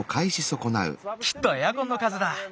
きっとエアコンのかぜだ。